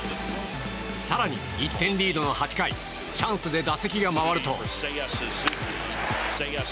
更に、１点リードの８回チャンスで打席が回ると。